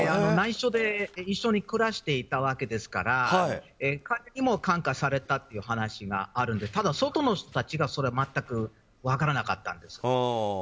内緒で一緒に暮らしていたわけですから彼にも感化されたという話もあるのでただ外の人たちがそれは全く分からなかったんです。